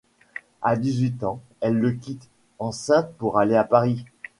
À dix-huit ans, elle le quitte, enceinte, pour aller à Paris.